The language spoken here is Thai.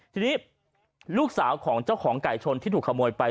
ทีนี้ลูกสาวของเจ้าของไก่ชนที่ถูกขโมยไป